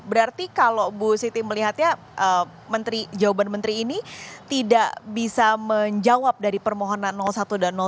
berarti kalau bu siti melihatnya jawaban menteri ini tidak bisa menjawab dari permohonan satu dan dua